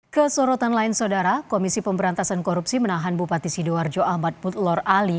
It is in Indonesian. ke sorotan lain saudara komisi pemberantasan korupsi menahan bupati sidoarjo ahmad mutlor ali